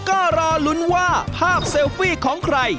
ก็รอลุ้นว่าภาพเซลฟี่ของใคร